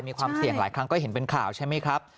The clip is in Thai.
มีความเสี่ยงหลายครั้งก็เห็นเป็นข่าวใช่ไหมครับ